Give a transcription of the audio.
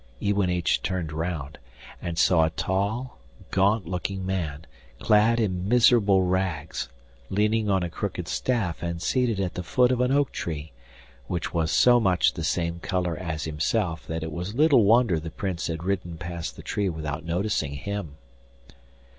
Iwanich turned round, and saw a tall, gaunt looking man, clad in miserable rags, leaning on a crooked staff and seated at the foot of an oak tree, which was so much the same colour as himself that it was little wonder the Prince had ridden past the tree without noticing him.